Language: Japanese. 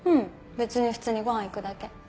別に普通にご飯行くだけ。